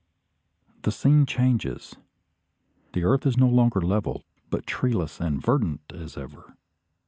The scene changes. The earth is no longer level, but treeless and verdant as ever.